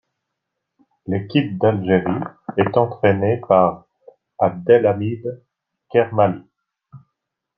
L'équipe d'Algérie est entraînée par Abdelhamid Kermali.